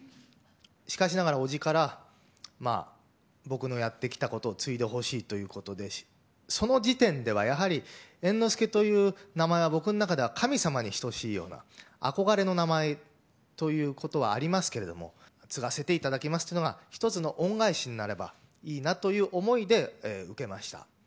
しかしながら、おじから僕のやってきたことを継いでほしいということでその時点ではやはり猿之助という名前は僕の中では神様に等しいような憧れの名前ということはありますけれども継がせていただきますというのが１つの恩返しになればいいなという思いで受けました。